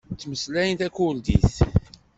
Ttmeslayen takurdit.